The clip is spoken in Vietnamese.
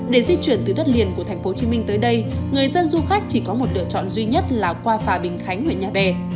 để di chuyển từ đất liền của tp hcm tới đây người dân du khách chỉ có một lựa chọn duy nhất là qua phà bình khánh huyện nhà bè